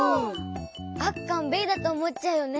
あっかんべえだとおもっちゃうよね。